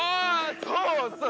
そうそう！